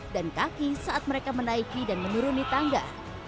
dan kaki saat mereka menaiki dan menuruni tangga